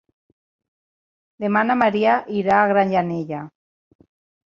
Demà na Maria irà a Granyanella.